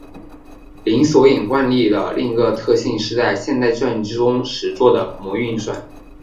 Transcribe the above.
零索引惯例的另一个特性是在现代计算机中实作的模运算。